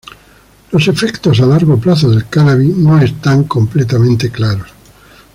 Los efectos a largo plazo del cannabis no están completamente claros.